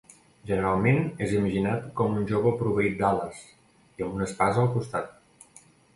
Generalment, és imaginat com un jove proveït d'ales i amb una espasa al costat.